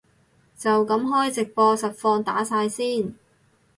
就噉開直播實況打晒先